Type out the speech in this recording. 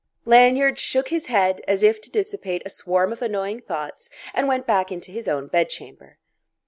Lanyard shook his head as if to dissipate a swarm of annoying thoughts, and went back into his own bed chamber.